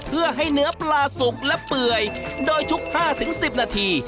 เพื่อให้เนื้อปลาสุกและเปื่อยโดยชุก๕๑๐นาที